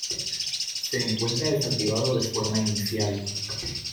Se encuentra desactivado de forma inicial.